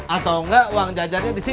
atau enggak uang jajarnya disita